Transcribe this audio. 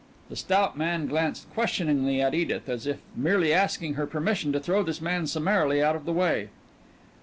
The stout man glanced questioningly at Edith, as if merely asking her permission to throw this man summarily out of the way.